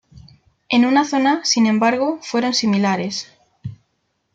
En una zona sin embargo, fueron similares.